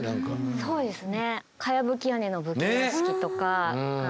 そうですね。